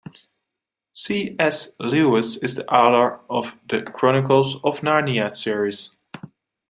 C.S. Lewis is the author of The Chronicles of Narnia series.